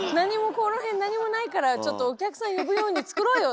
この辺何もないからちょっとお客さん呼ぶようにつくろうよって言って。